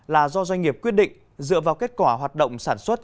là do doanh nghiệp quyết định dựa vào kết quả hoạt động sản xuất